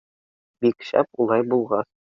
— Бик шәп улай булғас.